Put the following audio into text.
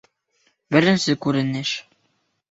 Беренсе күренеш